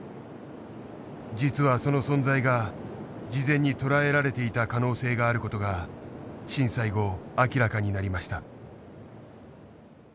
実はその存在が事前に捉えられていた可能性がある事が震災後明らかになりました。